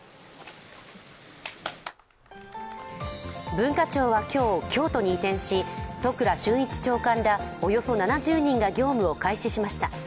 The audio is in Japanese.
文化庁は今日、京都に移転し、都倉俊一長官らおよそ７０人が業務を開始しました。